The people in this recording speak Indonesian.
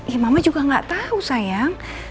ih mama juga nggak tahu sayang